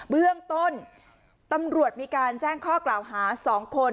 เบื้องต้นตำรวจมีการแจ้งข้อกล่าวหา๒คน